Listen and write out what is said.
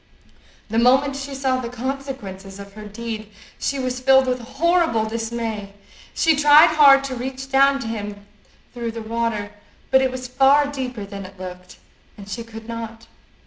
The moment she saw the consequences of her deed she was filled with horrible dismay. She tried hard to reach down to him through the water, but it was far deeper than it looked, and she could not.